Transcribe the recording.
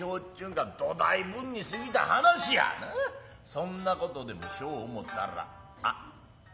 そんなことでもしよう思うたらあっ！